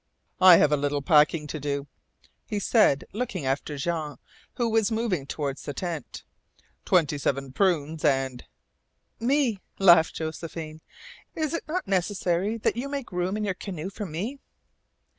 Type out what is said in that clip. "I have a little packing to do," he said, looking after Jean, who was moving toward the tent. "Twenty seven prunes and " "Me," laughed Josephine. "Is it not necessary that you make room in your canoe for me?"